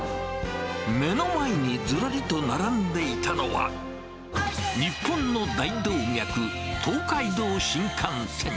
目の前にずらりと並んでいたのは、日本の大動脈、東海道新幹線。